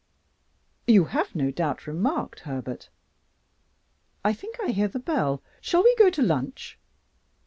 You have no doubt remarked Herbert I think I hear the bell; shall we go to lunch?